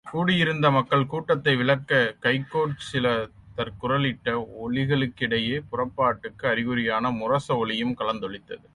கூடியிருந்த மக்கள் கூட்டத்தை விலக்கக் கைக்கோற் சிலதர் குரலிட்ட ஒலிகளுக்கிடையே புறப் பாட்டுக்கு அறிகுறியான முரச ஒலியும் கலந்தொலித்தது.